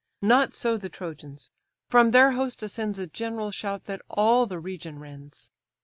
Not so the Trojans; from their host ascends A general shout that all the region rends.